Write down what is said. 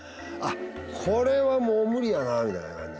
これはもう無理やなぁみたいな。